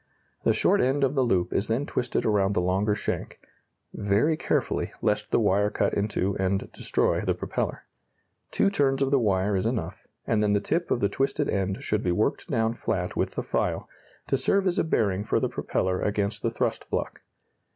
The short end of the loop is then twisted around the longer shank very carefully, lest the wire cut into and destroy the propeller. Two turns of the wire is enough, and then the tip of the twisted end should be worked down flat with the file, to serve as a bearing for the propeller against the thrust block.